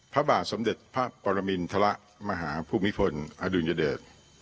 พระบาทสมเด็จพระปรมินทรมาหาภูมิพลอดุลยเดช